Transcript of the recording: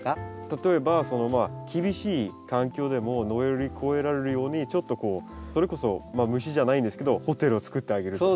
例えばその厳しい環境でも乗り越えられるようにちょっとこうそれこそまあ虫じゃないんですけどホテルを作ってあげるとか。